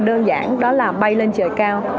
đơn giản đó là bay lên trời cao